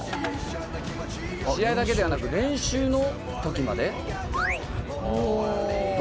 「試合だけではなく練習の時まで」